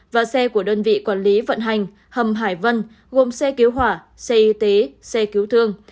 và xe của đơn vị quản lý vận hành hầm hải vân gồm xe cứu hỏa xe y tế xe cứu thương